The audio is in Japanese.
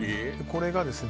これがですね